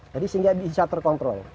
jadi sehingga bisa terkontrol